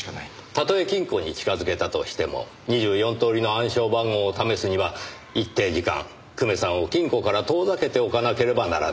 たとえ金庫に近づけたとしても２４通りの暗証番号を試すには一定時間久米さんを金庫から遠ざけておかなければならない。